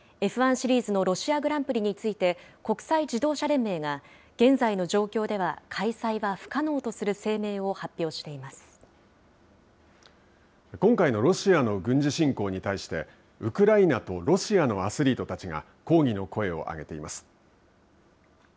Ｆ１シリーズのロシアグランプリについて国際自動車連盟が現在の状況では開催は不可能とする声明を今回のロシアの軍事振興に対してウクライナとロシアのアスリートたちが抗議の声を上げています。